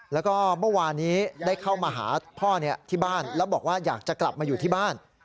แล้วก็เมื่อวานี้ได้เข้ามาหาพ่อที่บ้านแล้วบอกว่าอยากจะกลับมาอยู่ที่บ้าน